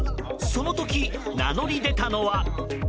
その時、名乗り出たのは。